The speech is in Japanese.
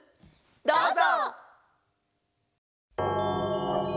どうぞ！